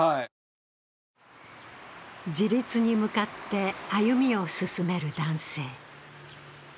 自立に向かって歩みを進める男性。